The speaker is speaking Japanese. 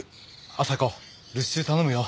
朝子留守中頼むよ。